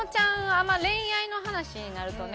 あんま恋愛の話になるとね